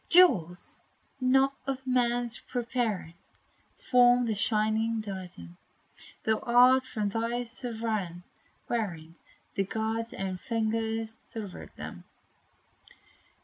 Jewels, not of man's preparing, Form the shining diadem, Thou art from thy Sovereign wearing: God's own finger silvered them.